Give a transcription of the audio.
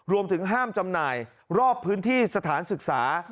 รวมถึงห้ามจำหน่ายรอบพื้นที่สถานศึกษา